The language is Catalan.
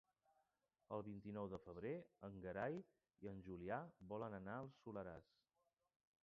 El vint-i-nou de febrer en Gerai i en Julià volen anar al Soleràs.